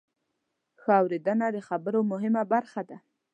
ښه اورېدنه د خبرو مهمه برخه ده.